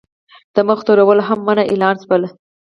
د مخ تورول هم منع اعلان شول.